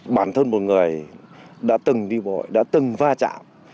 bản thân một người đã từng đi bộ đã từng va chạm